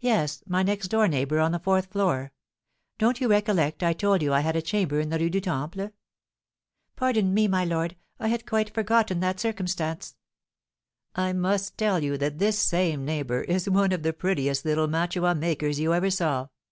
"Yes, my next door neighbour on the fourth floor. Don't you recollect I told you I had a chamber in the Rue du Temple?" "Pardon me, my lord, I had quite forgotten that circumstance." "I must tell you that this same neighbour is one of the prettiest little mantua makers you ever saw.